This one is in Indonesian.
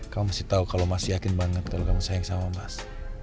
kamu masih tahu kalau masih yakin banget kalau kamu sayang sama mas